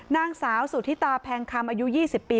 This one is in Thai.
นางสาวสุธิตาแพงคำอายุ๒๐ปี